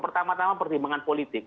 pertama tama pertimbangan politik